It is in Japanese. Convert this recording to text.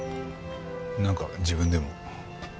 なんか自分でも。